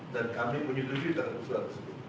dan kami menyedari dalam usulan tersebut